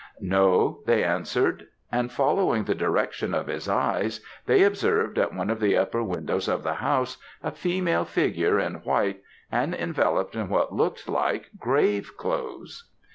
"'No they answered;' and following the direction of his eyes, they observed at one of the upper windows of the house, a female figure in white, and enveloped in what looked like grave clothes.